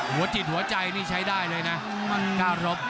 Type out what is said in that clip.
หัวจิตหัวใจนี่ใช้ได้เลยนะก้ารบ